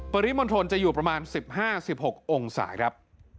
ปริมณฑลจะอยู่ประมาณ๑๕๑๖องศาครับ